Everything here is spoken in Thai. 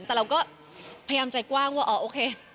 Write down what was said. แต่เราก็พยายามใจกว้างว่าอ๋อโอเค